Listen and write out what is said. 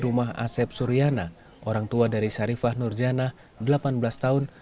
di rumah asep suriana orang tua dari sarifah nurjana delapan belas tahun